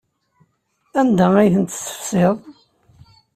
Anda ay tent-tessefsiḍ?